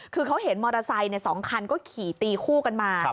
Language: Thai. คือเขาเห็นมอเตอร์ไซค์๒คันก็ขี่ตีคู่กันมา